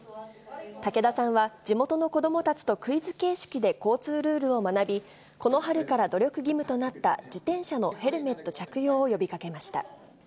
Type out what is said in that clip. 武田さんは、地元の子どもたちとクイズ形式で交通ルールを学び、この春から努力義務となった自転車のヘルメット着用を呼びかけました。